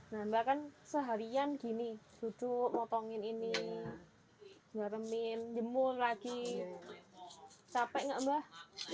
mbah kan seharian gini tutup motongin ini garemin jemur lagi capek nggak mbah